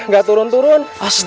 gak turun turun